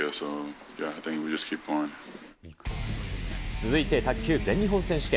続いて卓球全日本選手権。